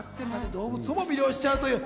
動物をも魅了しちゃう。